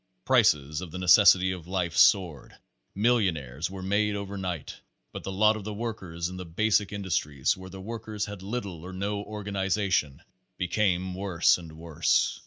Prices of the necessities of life soared, millionaires were made over night, but the lot of the workers in the basic industries, where the work ers had little or no organization, became worse and worse.